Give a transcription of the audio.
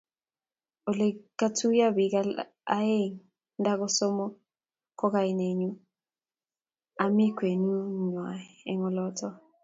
Ole katuyo bik aeng nda kosomok eng kainenyu, ami kwenunywa eng oloto